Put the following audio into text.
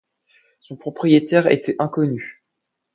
Son propriétaire était inconnu.